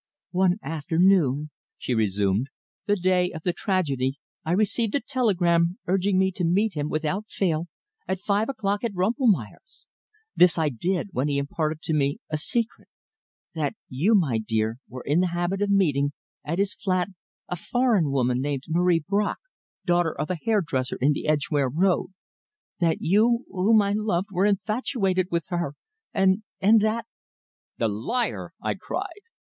"One afternoon," she resumed, "the day of the tragedy, I received a telegram urging me to meet him without fail at five o'clock at Rumpelmeyer's. This I did, when he imparted to me a secret that you, dear, were in the habit of meeting, at his flat, a foreign woman named Marie Bracq, daughter of a hair dresser in the Edgware Road; that you, whom I loved, were infatuated with her, and and that " "The liar!" I cried.